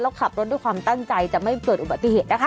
แล้วขับรถด้วยความตั้งใจจะไม่เกิดอุบัติเหตุนะคะ